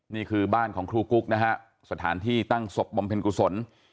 นี่คือบ้านของครูกุ๊กนะฮะสถานที่ตั้งศพบำเพ็ญกุศล